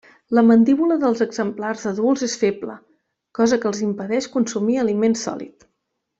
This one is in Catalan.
La mandíbula dels exemplars adults és feble, cosa que els impedeix consumir aliment sòlid.